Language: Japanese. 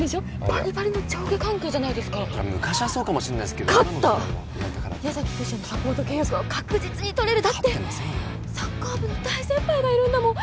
バリバリの上下関係じゃないですか昔はそうかもしんないですけど勝った矢崎十志也のサポート契約は確実に取れるだってサッカー部の大先輩がいるんだもん